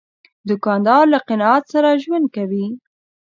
دوکاندار له قناعت سره ژوند کوي.